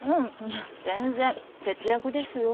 全然節約ですよ。